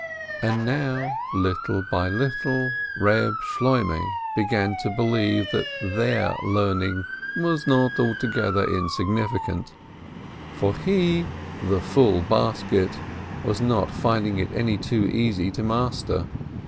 And now, little by little, Reb Shloimeh began to believe that "their" learning was not altogether insig nificant, for he, "the full basket," was not finding it any too easy to master.